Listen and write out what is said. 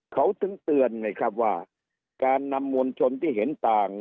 เขาถึงเตือนไงครับว่าการนำมวลชนที่เห็นต่าง